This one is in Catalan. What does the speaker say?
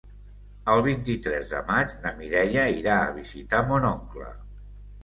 El vint-i-tres de maig na Mireia irà a visitar mon oncle.